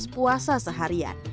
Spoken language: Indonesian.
selanjuran aktivitas puasa seharian